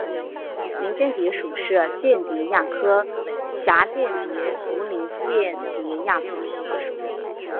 林蚬蝶属是蚬蝶亚科蛱蚬蝶族林蚬蝶亚族里的一个属。